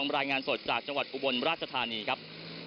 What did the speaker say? รายงานสดจากจังหวัดอุบลราชธานีครับ